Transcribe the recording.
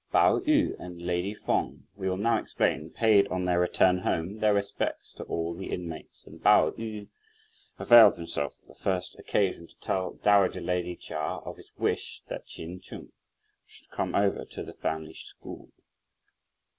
Pao yü and lady Feng, we will now explain, paid, on their return home, their respects to all the inmates, and Pao yü availed himself of the first occasion to tell dowager lady Chia of his wish that Ch'in Chung should come over to the family school.